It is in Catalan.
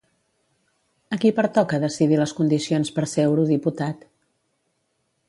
A qui pertoca decidir les condicions per ser eurodiputat?